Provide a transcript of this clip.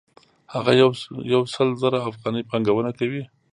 هغه یو سل زره افغانۍ پانګونه کوي